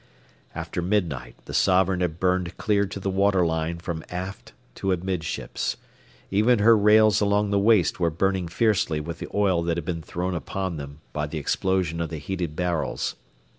After midnight the Sovereign had burned clear to the water line from aft to amidships. Even her rails along the waist were burning fiercely with the oil that had been thrown upon them by the explosions of the heated barrels.